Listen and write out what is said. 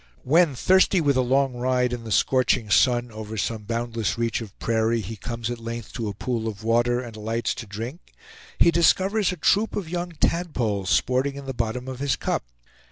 When thirsty with a long ride in the scorching sun over some boundless reach of prairie, he comes at length to a pool of water, and alights to drink, he discovers a troop of young tadpoles sporting in the bottom of his cup.